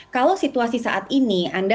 kalau situasi saat ini anda